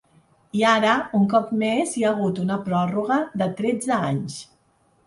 I ara un cop més hi ha hagut una pròrroga, de tretze anys.